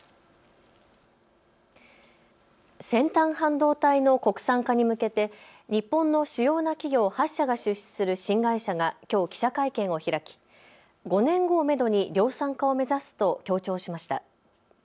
先端半導体の国産化に向けて日本の主要な企業８社が出資する新会社がきょう記者会見を開き５年後をめどに量産化を目指すと強調しました。